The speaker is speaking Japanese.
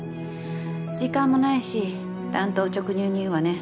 時間もないし単刀直入に言うわね。